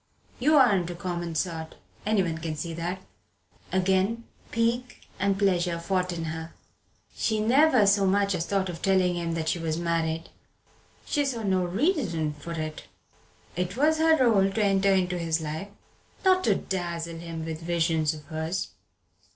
You aren't a common sort anyone can see that." Again pique and pleasure fought in her. She never so much as thought of telling him that she was married. She saw no reason for it. It was her rôle to enter into his life, not to dazzle him with visions of hers.